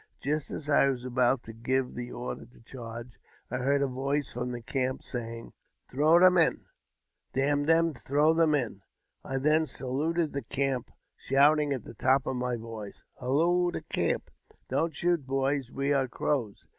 Just as I was about to give the order to charge, I heard a voice from the camp, saying, " Throw them in ! D — n them, throw them in !" I then saluted the camp, shouting at the top of my voice, " Halloo the camp ! Don't shoot, boys ; we are Crows